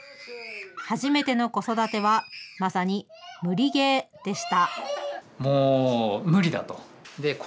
初めての子育ては、まさに無理ゲーでした。